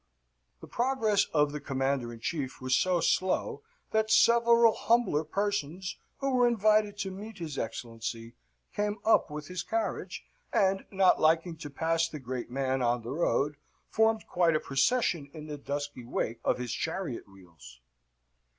The progress of the Commander in Chief was so slow, that several humbler persons who were invited to meet his Excellency came up with his carriage, and, not liking to pass the great man on the road, formed quite a procession in the dusty wake of his chariot wheels.